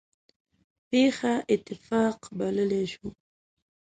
پېښه اتفاق بللی شو.